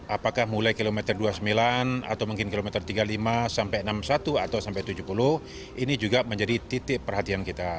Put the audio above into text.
apakah mulai kilometer dua puluh sembilan atau mungkin kilometer tiga puluh lima sampai enam puluh satu atau sampai tujuh puluh ini juga menjadi titik perhatian kita